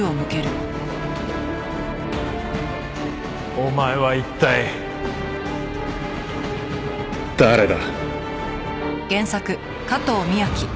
お前は一体誰だ？